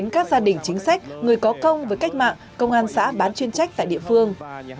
các gia đình chính sách người có công với cách mạng công an xã bán chuyên trách tại địa phương